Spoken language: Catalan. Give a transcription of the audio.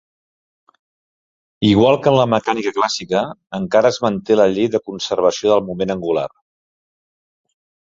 Igual que en la mecànica clàssica, encara es manté la llei de conservació del moment angular.